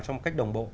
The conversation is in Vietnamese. trong cách đồng bộ